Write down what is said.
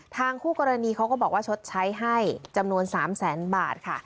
ทางคู่กรณีเขาก็บอกว่าชดใช้ให้จำนวน๓๐๐๐๐๐บาท